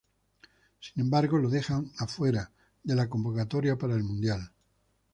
Sin embargo, lo dejan afuera de la convocatoria para el Mundial.